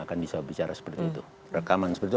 akan bisa bicara seperti itu rekaman seperti itu